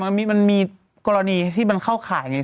ได้แต่มันมีกรณีที่มันเข้าขายอย่างนี้